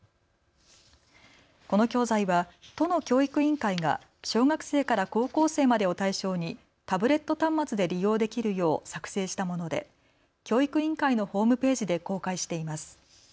この教材は都の教育委員会が小学生から高校生までを対象にタブレット端末で利用できるよう作成したもので教育委員会のホームページで公開しています。